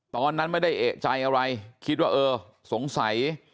ตอนนั้นไม่ได้เอกใจอะไรคิดว่าเออสงสัย